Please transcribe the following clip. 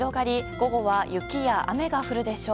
午後は雪や雨が降るでしょう。